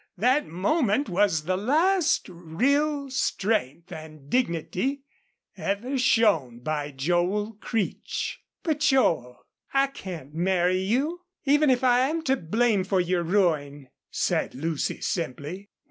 That moment was the last of real strength and dignity ever shown by Joel Creech. "But, Joel, I can't marry you even if I am to blame for your ruin," said Lucy, simply.